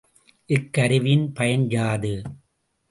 இக்கருவியின் பயன் யாது?